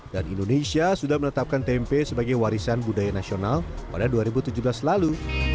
dan indonesia sudah menetapkan tempe sebagai warisan budaya nasional pada dua ribu tujuh belas lalu